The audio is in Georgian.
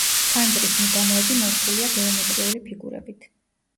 ფანჯრის მიდამოები მორთულია გეომეტრიული ფიგურებით.